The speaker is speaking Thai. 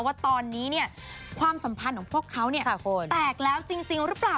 ว่าตอนนี้เนี่ยความสัมพันธ์ของพวกเขาเนี่ยแตกแล้วจริงหรือเปล่า